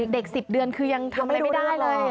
๑๐เดือนคือยังทำอะไรไม่ได้เลย